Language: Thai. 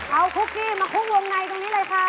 เอาคุกกี้มาคุกวงในตรงนี้เลยค่ะ